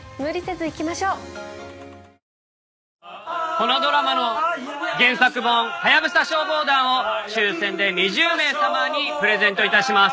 このドラマの原作本『ハヤブサ消防団』を抽選で２０名様にプレゼント致します。